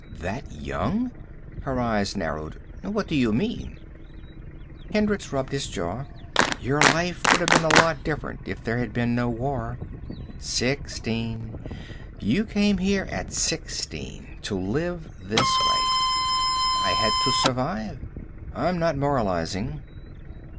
"That young?" Her eyes narrowed. "What do you mean?" Hendricks rubbed his jaw. "Your life would have been a lot different if there had been no war. Sixteen. You came here at sixteen. To live this way." "I had to survive." "I'm not moralizing."